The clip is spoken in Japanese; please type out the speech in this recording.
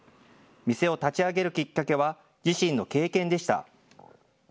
店を立ち上げるきっかけは自身の経験でした。